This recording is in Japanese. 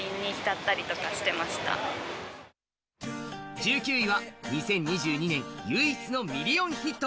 １９位は２０２２年唯一のミリオンヒット。